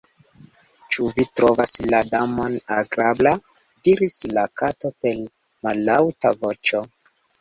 "Ĉu vi trovas la Damon agrabla?" diris la Kato per mallaŭta voĉo.